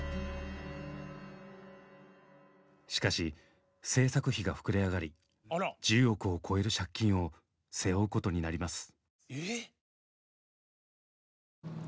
しかし制作費が膨れ上がり１０億を超える借金を背負うことになります。